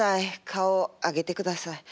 顔上げてください。